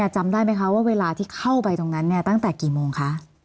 จำได้ไหมคะว่าเวลาที่เข้าไปตรงนั้นตั้งแต่กี่โมงคะ